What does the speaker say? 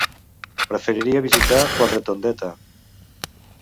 Preferiria visitar Quatretondeta.